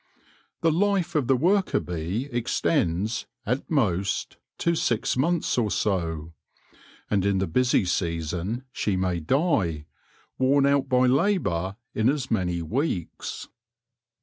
The life of the worker bee extends, at most, to six months or so ; and in the busy season she may die, worn out by labour, in as many weeks.